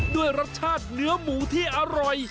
ด้วยรสชาติเนื้อหมูที่อร่อย